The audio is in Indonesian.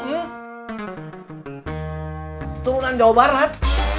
keturunan jawa barat